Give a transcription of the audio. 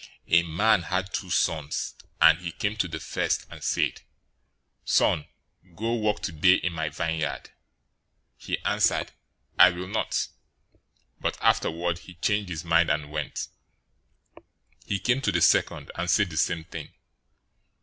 A man had two sons, and he came to the first, and said, 'Son, go work today in my vineyard.' 021:029 He answered, 'I will not,' but afterward he changed his mind, and went. 021:030 He came to the second, and said the same thing.